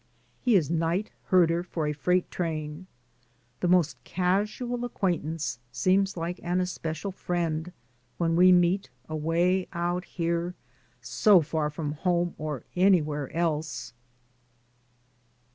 He is night herder for a freight train. The most casual acquaintance seems 102 DAYS ON THE ROAD. like an especial friend, when we meet, away out here, so far from home, or anywhere else.